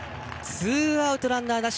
ツーアウトランナーなし。